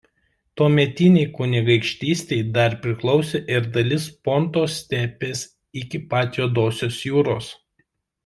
Tuometinei kunigaikštystei dar priklausė ir dalis Ponto stepės iki pat Juodosios jūros.